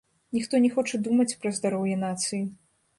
Ніхто не хоча думаць пра здароўе нацыі.